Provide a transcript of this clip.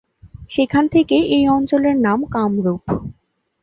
সেখান থেকেই এই অঞ্চলের নাম কামরূপ।